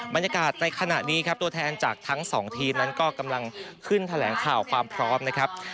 บรรยากาศในขณะนี้ครับตัวแทนจากทั้งสองทีมนั้นก็กำลังขึ้นแถลงข่าวความพร้อมนะครับ